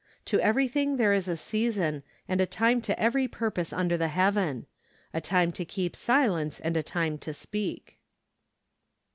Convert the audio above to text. " To everything there is a season, and a time to every purpose under the heaven. ... A time to keep silence, and a time to speak."